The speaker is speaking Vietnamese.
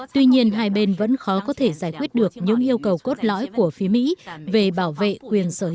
tuy nhiên hai bên vẫn khó có thể giải quyết được những yêu cầu cốt lõi của phía mỹ về bảo vệ quyền sở hữu trí